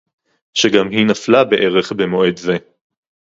שגם היא נפלה בערך במועד זה